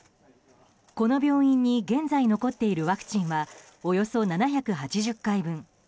この病院に現在残っているワクチンはおよそ７８０回分。